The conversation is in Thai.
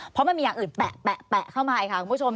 เพราะมันมีอย่างอื่นแปะเข้ามาอีกค่ะคุณผู้ชม